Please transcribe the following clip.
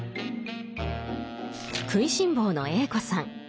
食いしん坊のＡ子さん